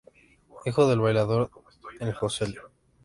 Hijo del bailaor "El Josele".